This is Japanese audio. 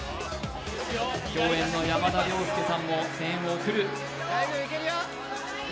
共演の山田涼介さんも声援を送る。